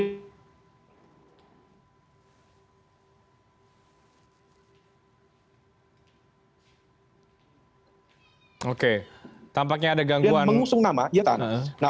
hai oke tampaknya ada gangguan mengusung nama ya kan nah oleh karena itu saya pikir tidak bisa memastikan yang diganggu ini adalah mengusung nama yang dianggap sebagai istana